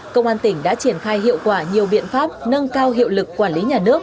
công an tỉnh đã triển khai hiệu quả nhiều biện pháp nâng cao hiệu lực quản lý nhà nước